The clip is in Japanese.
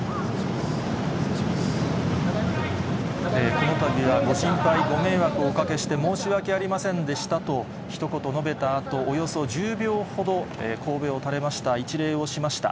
このたびはご心配、ご迷惑をおかけして申し訳ありませんでしたと、ひと言述べたあと、およそ１０秒ほど、こうべを垂れました、一礼をしました。